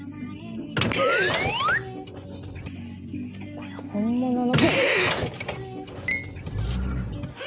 これ、本物の。